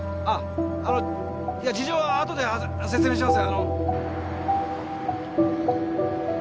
あの事情はあとで説明します。